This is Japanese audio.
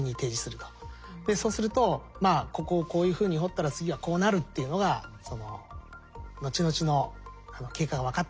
そうするとここをこういうふうに掘ったら次はこうなるっていうのが後々の経過が分かっていくと。